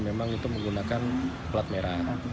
memang itu menggunakan plat merah